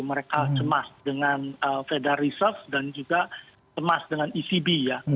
mereka cemas dengan feda reserve dan juga cemas dengan ecb ya